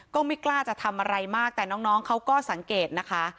ก็ไม่กล้าจะทำอะไรมากแต่น้องเขาก็สังเกตนะคะ